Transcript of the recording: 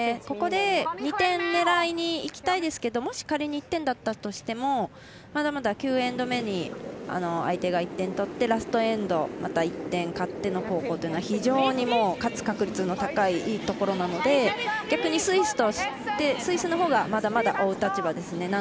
ここで２点狙いにいきたいですけどもし、仮に１点だったとしてもまだまだ９エンド目に相手が１点取ってラストエンド、また１点勝っての後攻というのは非常に勝つ確率の高いいいところなので逆にスイスのほうがまだまだ追う立場ですね